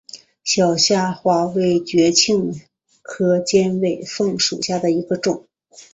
小虾花为爵床科尖尾凤属下的一个种。